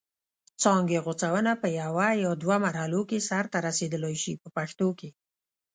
څانګې غوڅونه په یوه یا دوه مرحلو کې سرته رسیدلای شي په پښتو کې.